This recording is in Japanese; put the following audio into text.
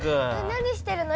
何してるの？